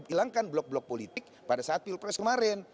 hilangkan blok blok politik pada saat pilpres kemarin